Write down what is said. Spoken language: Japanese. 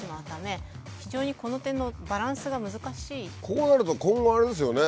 こうなると今後あれですよね。